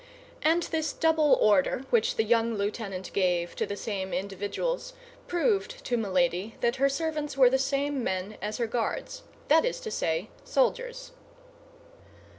And this double order which the young lieutenant gave to the same individuals proved to Milady that her servants were the same men as her guards; that is to say, soldiers.